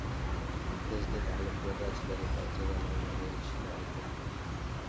Prezident olimpiadachilarga qanchadan mablag‘ berilishini aytdi